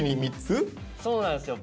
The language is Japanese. そうなんですよ。